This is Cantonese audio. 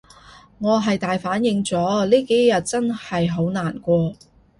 我係大反應咗，呢幾日真係好難過